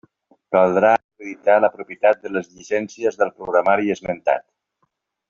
Caldrà acreditar la propietat de les llicències del programari esmentat.